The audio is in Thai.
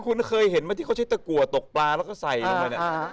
คุณเคยเห็นไหมที่เขาใช้ตะกัวตกปลาแล้วก็ใส่ลงไปเนี่ย